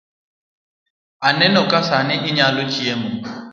Aneno ka sani onyalo chiemo